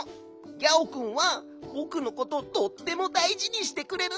ギャオくんはぼくのこととってもだいじにしてくれるんだ。